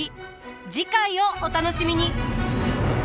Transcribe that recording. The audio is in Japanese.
次回をお楽しみに。